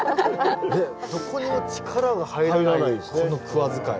どこにも力が入らないこのクワ使い。